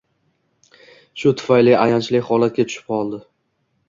Shu tufayli ayanchli holatga tushib qoldi